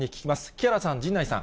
木原さん、陣内さん。